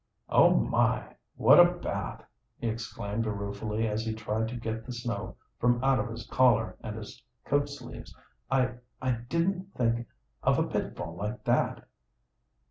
"Oh, my, what a bath!" he exclaimed ruefully, as he tried to get the snow from out of his collar and his coat sleeves. "I I didn't think of a pitfall like that!"